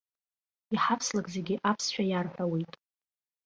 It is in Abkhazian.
Иҳавслак зегьы аԥсшәа иарҳәауеит.